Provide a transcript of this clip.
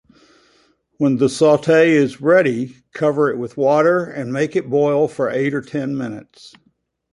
When the sauté is ready cover it with water and make it boil for eight or ten minutes.